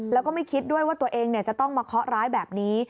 แล้วก็ไม่คิดด้วยว่าตัวเองจะต้องมาเคาะร้ายแบบนี้